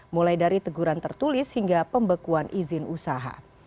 mulai dari teguran tertulis hingga pembekuan izin usaha